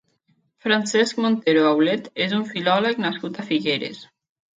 Francesc Montero Aulet és un filòleg nascut a Figueres.